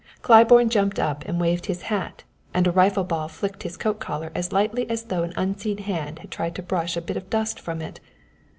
Claiborne jumped up and waved his hat and a rifle ball flicked his coat collar as lightly as though an unseen hand had tried to brush a bit of dust from it.